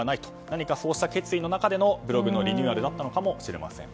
何かそんな決意のもとのブログのリニューアルだったのかもしれません。